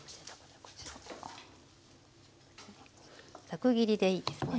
ザク切りでいいですね。